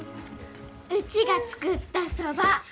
うちが作ったそば。